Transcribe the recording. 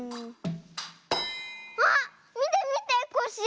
あっみてみてコッシー。